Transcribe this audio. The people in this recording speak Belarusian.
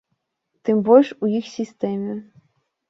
Тым больш у іх сістэме.